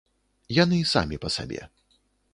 Яны самі па сабе.